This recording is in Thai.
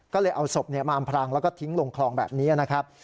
ก็เลยเอาศพมาอำพรางแล้วก็ทิ้งลงคลองแบบนี้นะครับ